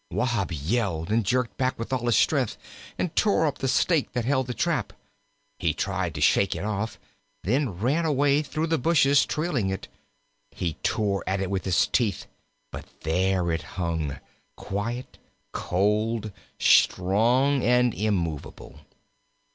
"] Wahb yelled and jerked back with all his strength, and tore up the stake that held the trap. He tried to shake it off, then ran away through the bushes trailing it. He tore at it with his teeth; but there it hung, quiet, cold, strong, and immovable.